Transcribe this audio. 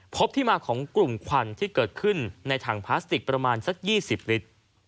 พบที่มาของกลุ่มควันที่เกิดขึ้นในถังพลาสติกประมาณสัก๒๐ลิตร